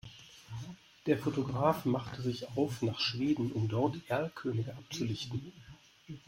Der Fotograf machte sich auf nach Schweden, um dort Erlkönige abzulichten.